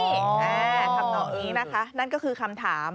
ทำนองนี้นะคะนั่นก็คือคำถาม